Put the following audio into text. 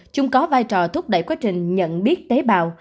trung có vai trò thúc đẩy quá trình nhận biết tế bào